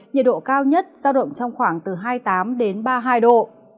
nhiệt độ cao nhất giao động trong khoảng hai mươi tám ba mươi hai độ